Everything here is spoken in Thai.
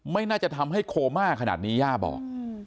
ไม่น่าจะทำให้โคม่าขนาดนี้ย่าบอก